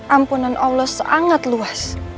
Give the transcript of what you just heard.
ampunan allah sangat luas